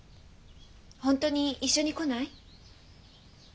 本当に一緒に来ない？